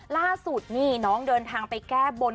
ล่าสุดนี่น้องเดินทางไปแก้บน